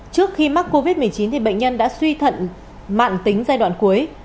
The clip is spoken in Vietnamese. trước khi mắc covid một mươi chín bệnh nhân đã suy thận mạng tính giai đoạn cuối